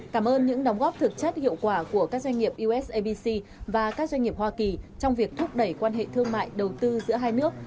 cảm ơn những đóng góp thực chất hiệu quả của các doanh nghiệp usabc và các doanh nghiệp hoa kỳ trong việc thúc đẩy quan hệ thương mại đầu tư giữa hai nước